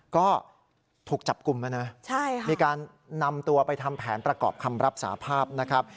ก็ถูกจับกลุ่มมานะมีการนำตัวไปทำแผนประกอบคำรับสาภาพนะครับ